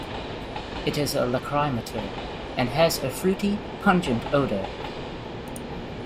It is a lachrymator and has a fruity, pungent odor.